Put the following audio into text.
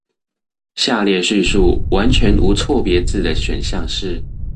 下列敘述完全無錯別字的選項是